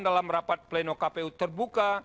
dalam rapat pleno kpu terbuka